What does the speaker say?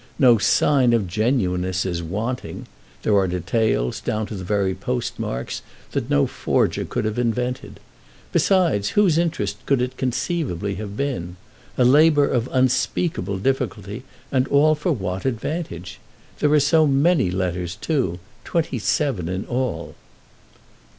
No sign of genuineness is wanting; there are details, down to the very postmarks, that no forger could have invented. Besides, whose interest could it conceivably have been? A labor of unspeakable difficulty, and all for what advantage? There are so many letters, too—twenty seven in all."